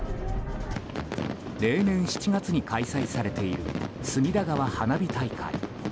例年７月に開催されている隅田川花火大会。